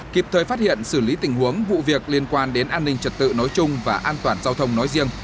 kịp thời phát hiện xử lý tình huống vụ việc liên quan đến an ninh trật tự nói chung và an toàn giao thông nói riêng